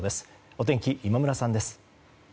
お天気、今村さんです。